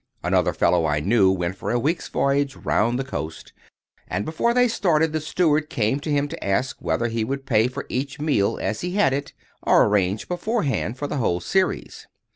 Another fellow I knew went for a week's voyage round the coast, and, before they started, the steward came to him to ask whether he would pay for each meal as he had it, or arrange beforehand for the whole series.